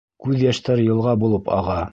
Күҙ йәштәре йылға булып аға.